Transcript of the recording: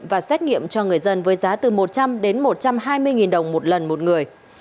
và xét nghiệm cho người dân với giá từ một trăm linh đến một trăm hai mươi đồng một lần một người